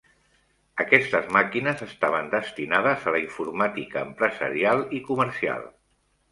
Aquestes màquines estaven destinades a la informàtica empresarial i comercial.